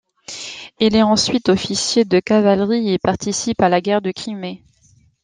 Il est ensuite officier de cavalerie et participe à la guerre de Crimée.